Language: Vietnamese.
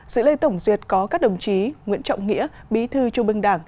sự lễ tổng duyệt có các đồng chí nguyễn trọng nghĩa bí thư trung bưng đảng